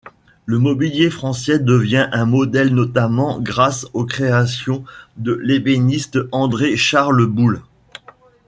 Le mobilier français devient un modèle, notamment grâce aux créations de l'ébéniste André-Charles Boulle.